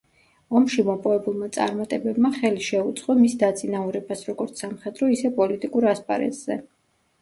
ომში მოპოვებულმა წარმატებებმა ხელი შეუწყო მის დაწინაურებას როგორც სამხედრო, ისე პოლიტიკურ ასპარეზზე.